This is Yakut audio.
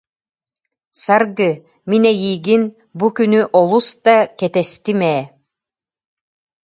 Саргы, мин эйигин, бу күнү олус да кэтэстим ээ